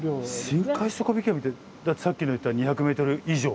深海底引き網ってさっき言った２００ｍ以上？